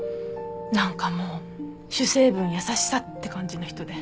何かもう「主成分優しさ」って感じの人で。